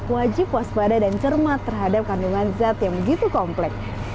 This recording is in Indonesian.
wajib waspada dan cermat terhadap kandungan zat yang begitu komplek